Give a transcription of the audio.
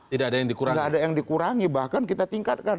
tidak ada yang dikurangi bahkan kita tingkatkan